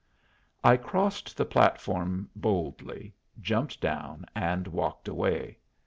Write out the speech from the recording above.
I crossed the platform boldly, jumped down, and walked away.